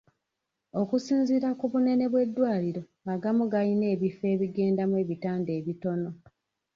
Okusinziira ku bunene bw'eddwaliro, agamu gayina ebifo ebigendamu ebitanda ebitono.